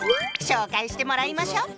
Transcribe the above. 紹介してもらいましょう！